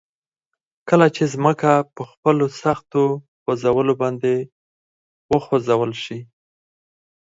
کله چې ځمکه په خپلو سختو خوځولو باندي وخوځول شي